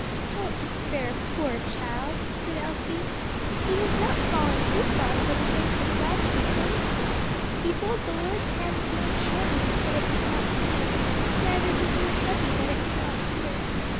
"Don't despair, poor child!" said Elsie, "he has not fallen too far for the grace of God to reclaim him; 'Behold the Lord's hand is not shortened, that it cannot save; neither his ear heavy, that it cannot hear.'"